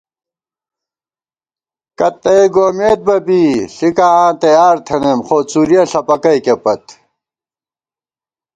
کتّہ ئے گومېت بہ بی ، ݪِکاں آں تیار تھنئیم ، خو څُورِیہ ݪپَکئیکے پت